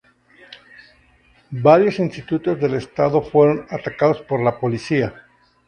Varios institutos del Estado fueron atacados por la Policía.